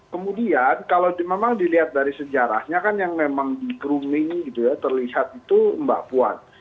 kemudian kalau memang dilihat dari sejarahnya kan yang memang di grooming gitu ya terlihat itu mbak puan